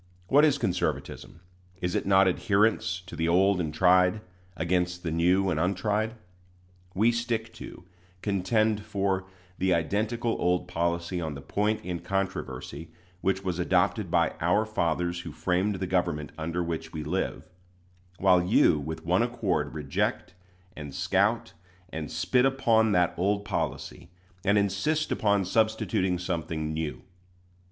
What is conservatism? Is it not adherence to the old and tried, against the new and untried? We stick to, contend for, the identical old policy on the point in controversy which was adopted by "our fathers who framed the government under which we live"; while you with one accord reject, and scout, and spit upon that old policy, and insist upon substituting something new.